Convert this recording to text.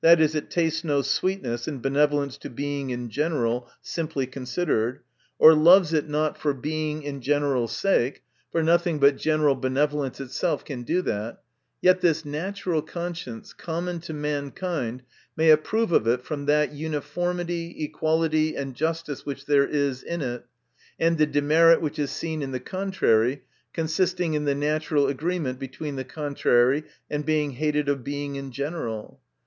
e., it tastes no sweetness in benevolence to Being in general, simply considered, or loves it not for Being in general's sake (for nothing but general benevolence itself can do that), yet this natural conscience, common to mankind, may approve of it from that uniformity, equality and jusHce, which there is in it, and the demerit which is seen in the contrary, consisting in the natural agreement between the contrary and being hated of Being in general.